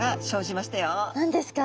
何ですか？